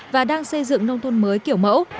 và đang xây dựng nông thôn mới kiểu mẫu